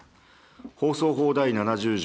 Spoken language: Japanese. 放送法第７０条